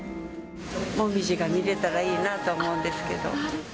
モミジが見れたらいいなと思うんですけど。